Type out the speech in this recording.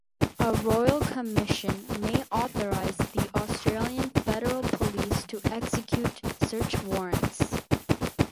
A Royal Commission may authorise the Australian Federal Police to execute search warrants.